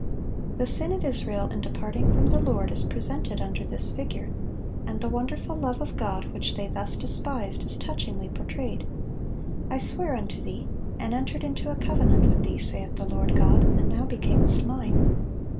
The sin of Israel in departing from the Lord is presented under this figure; and the wonderful love of God which they thus despised is touchingly portrayed: "I sware unto thee, and entered into a covenant with thee, saith the Lord God, and thou becamest Mine."